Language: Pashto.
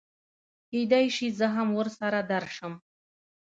کېدی شي زه هم ورسره درشم